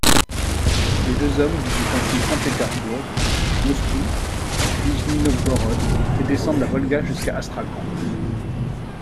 Les deux hommes visitent ainsi Saint-Pétersbourg, Moscou, Nijni-Novgorod et descendent la Volga jusqu'à Astrakhan.